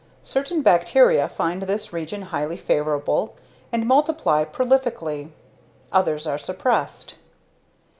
Certain bacteria find this region highly favorable and multiply prolifically, others are suppressed.